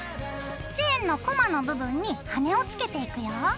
チェーンのコマの部分に羽根をつけていくよ。